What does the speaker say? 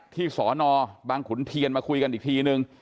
สอนอบางขุนเทียนมาคุยกันอีกทีนึง